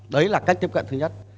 đấy là cách tiếp cận thứ nhất